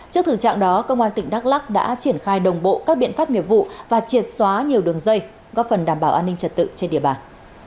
trước thử trạng đó công an tỉnh đắk lắc đã triển khai đồng bộ các biện pháp nghiệp vụ và triệt xóa nhiều đường dây góp phần đảm bảo an ninh trật tự trên địa bàn